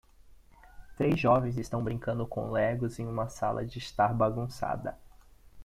Três jovens estão brincando com Legos em uma sala de estar bagunçada.